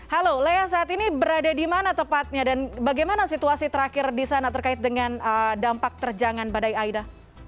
halo lea saat ini berada di mana tepatnya dan bagaimana situasi terakhir di sana terkait dengan dampak terjangan badai aida